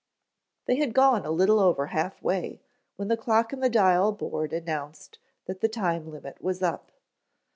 They had gone a little over half way when the clock in the dial board announced that the time limit was up.